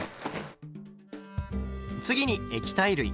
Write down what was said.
次に液体類。